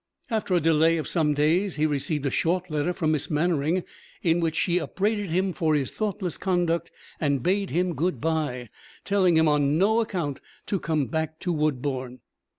After a delay of some days, he received a short letter from Miss Mannering, in which she upbraided him for his thoughtless conduct, and bade him good bye, telling him on no account to come back to Woodbourne.